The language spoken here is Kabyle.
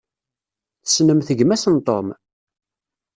Tessnemt gma-s n Tom?